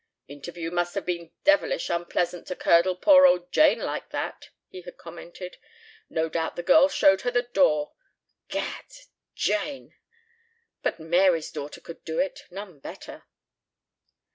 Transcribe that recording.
"Interview must have been devilish unpleasant to curdle poor old Jane like that," he had commented. "No doubt the girl showed her the door. Gad! Jane! But Mary's daughter could do it. None better."